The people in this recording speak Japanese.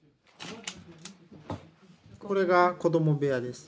これが子供部屋です。